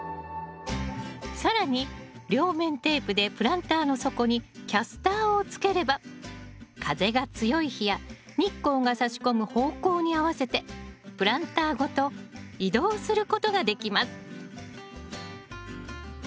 更に両面テープでプランターの底にキャスターをつければ風が強い日や日光がさし込む方向に合わせてプランターごと移動することができます